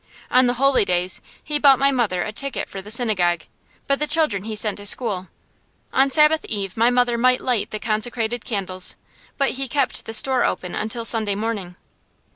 On the holy days he bought my mother a ticket for the synagogue, but the children he sent to school. On Sabbath eve my mother might light the consecrated candles, but he kept the store open until Sunday morning.